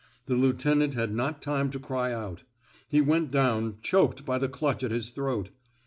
The lieutenant had not time to cry out. He went down, choked by the clutch at his throat.